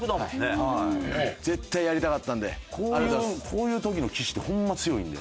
こういう時の岸ってホンマ強いんで。